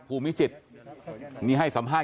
พี่พิมพ์พราคม